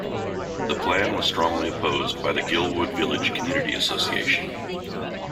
The plan was strongly opposed by the Guildwood Village Community Association.